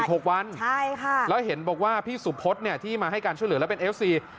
หกวันใช่ค่ะแล้วเห็นบอกว่าพี่สุพธเนี่ยที่มาให้การช่วยเหลือแล้วเป็นเอฟซี